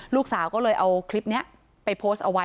ลูกสาวก็เลยเอาคลิปนี้ไปโพสต์เอาไว้